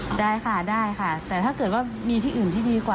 คือเรายังไม่ได้คิดนะคะแต่คือขอให้หมอทำเต็มที่ก่อนนะคะ